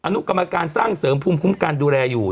นุกรรมการสร้างเสริมภูมิคุ้มการดูแลอยู่